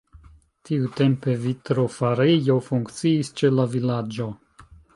Tiutempe vitrofarejo funkciis ĉe la vilaĝo.